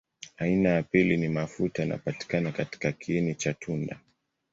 Aina ya pili ni mafuta yanapatikana katika kiini cha tunda.